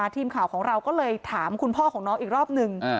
ทีมข่าวของเราก็เลยถามคุณพ่อของน้องอีกรอบหนึ่ง